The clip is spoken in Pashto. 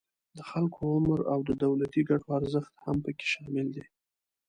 د خلکو عمر او د دولتی ګټو ارزښت هم پکې شامل دي